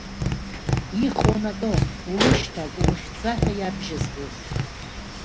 Ихон акы, улышьҭал, улыхьӡа ҳәа иабжьазгоз.